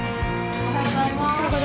おはようございます。